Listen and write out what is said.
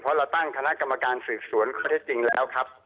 เพราะเราตั้งคณะกรรมการสืบสวนข้อเท็จจริงแล้วครับ